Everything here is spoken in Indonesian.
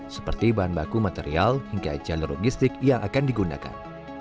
seperti bahan baku material hingga jalur logistik yang akan digunakan